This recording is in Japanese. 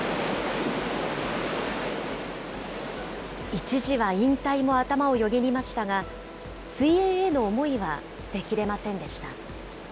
一時は引退も頭をよぎりましたが、水泳への思いは捨てきれませんでした。